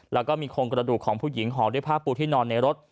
แล้วก็มีโครงกระดูกของผู้หญิงห่อด้วยผ้าปูที่นอนในรถ